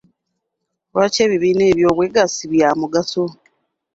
Lwaki ebibiina eby'obwegasi bya mugaso?